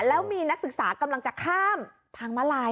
แล้วมีนักศึกษากำลังจะข้ามทางมาลาย